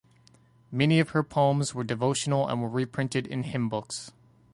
Many of her poems were devotional and were reprinted in hymn books.